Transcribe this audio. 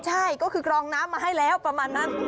ใช่ก็คือกรองน้ำมาให้แล้วประมาณนั้น